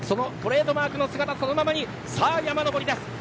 トレードマークの姿そのままにさあ、山上りです。